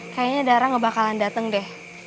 kayaknya dara gak bakalan dateng deh